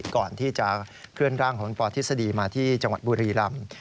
ก่อนที่จะเคลื่อนร่างของคุณปอทฤษฎีมาที่จังหวัดบุรีรำ